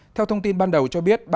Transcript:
theo thông tin ban đầu cho biết